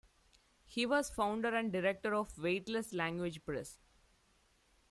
He was founder and director of Weightless Language Press.